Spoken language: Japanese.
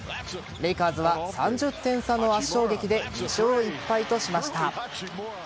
レイカーズは３０点差の圧勝劇で２勝１敗としました。